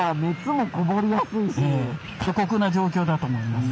過酷な状況だと思います。